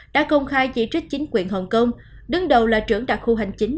đã công khai chỉ trích chính quyền hồng kông đứng đầu là trưởng đặc khu hành chính